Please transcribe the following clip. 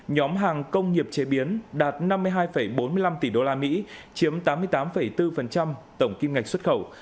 nhóm hàng công nghiệp chế biến đạt năm mươi hai bốn mươi năm tỷ usd chiếm tám mươi tám bốn tổng kim ngạch xuất khẩu